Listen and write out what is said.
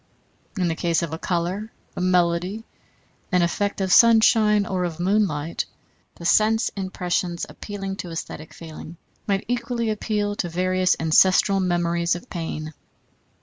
In the case of a color, a melody, an effect of sunshine or of moonlight, the sense impressions appealing to æsthetic feeling might equally appeal to various ancestral memories of pain.